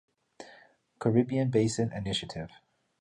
Caribbean Basin Initiative.